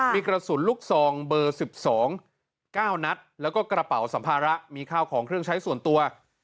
มีกระสุนลูกซองเบอร์๑๒๙นัดแล้วก็กระเป๋าสัมภาระมีข้าวของเครื่องใช้ส่วนตัว